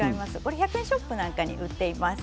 １００円ショップなどに売っています。